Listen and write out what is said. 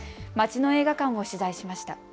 街の映画館を取材しました。